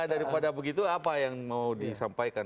daripada begitu apa yang mau disampaikan